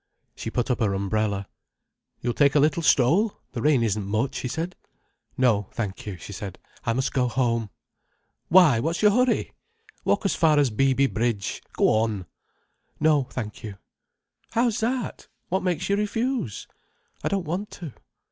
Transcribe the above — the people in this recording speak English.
She put up her umbrella. "You'll take a little stroll. The rain isn't much," he said. "No, thank you," she said. "I must go home." "Why, what's your hurry! Walk as far as Beeby Bridge. Go on." "No, thank you." "How's that? What makes you refuse?" "I don't want to."